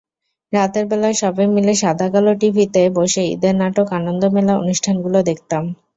রাতেরবেলা সবাই মিলে সাদাকালো টিভিতে বসে ঈদের নাটক, আনন্দমেলা অনুষ্ঠানগুলো দেখতাম।